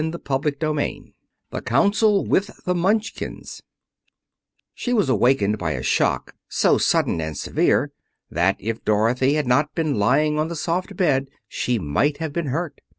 Chapter II The Council with the Munchkins She was awakened by a shock, so sudden and severe that if Dorothy had not been lying on the soft bed she might have been hurt.